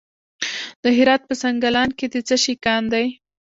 د هرات په سنګلان کې د څه شي کان دی؟